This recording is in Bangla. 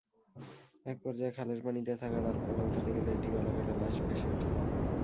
একপর্যায়ে খালের পানিতে থাকা ডালপালা ওঠাতে গেলে একটি গলাকাটা লাশ ভেসে ওঠে।